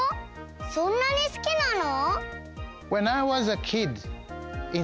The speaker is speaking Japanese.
そんなにすきなの？